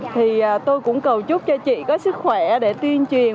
thì tôi cũng cầu chúc cho chị có sức khỏe để tuyên truyền